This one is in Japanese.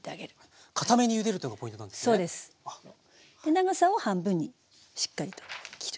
長さを半分にしっかりと切る。